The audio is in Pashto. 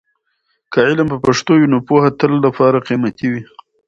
که علم په پښتو وي، نو پوهه تل لپاره قیمتي وي.